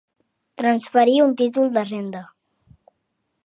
Transferir un títol de renda.